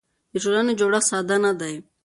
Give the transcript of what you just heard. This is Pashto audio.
د ټولنې جوړښت ساده نه دی.